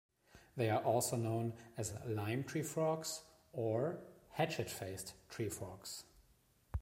They are also known as lime treefrogs or hatchet-faced treefrogs.